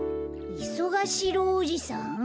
いそが四郎おじさん？